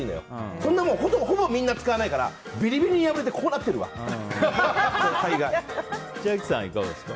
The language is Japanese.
そんなもんほぼみんな使わないからびりびりに破れて千秋さん、いかがですか。